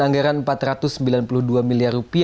anggaran rp empat ratus sembilan puluh dua miliar